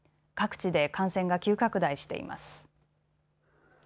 各地で感染が急拡大しています。